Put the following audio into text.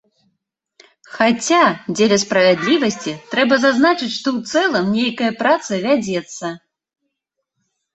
Хаця, дзеля справядлівасці, трэба зазначыць, што ў цэлым нейкая праца вядзецца.